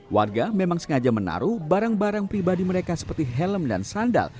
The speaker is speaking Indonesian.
warga memang sengaja menaruh barang barang pribadi mereka seperti helm dan sandal